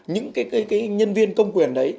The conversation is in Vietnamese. những nhân viên công quyền đấy